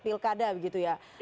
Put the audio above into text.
pilkada gitu ya